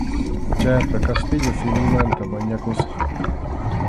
Chayqa kastilla simimanta mañakusqa.